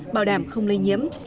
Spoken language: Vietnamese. bảo đảm không lây nhiễm